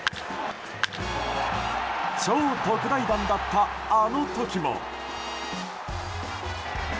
超特大弾だったあの時も。